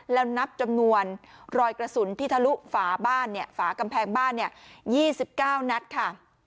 แล้วนับจำนวนรอยกระสุนที่ทะลุฝาบ้านเนี่ยฝากำแพงบ้าน๒๙นัดค่ะ